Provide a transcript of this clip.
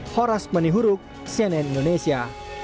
horas manihuruk cnn indonesia